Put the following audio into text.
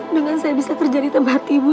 dengan saya bisa kerja di tempat ibu